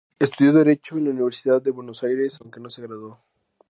Estudió derecho en la Universidad de Buenos Aires, aunque no se graduó.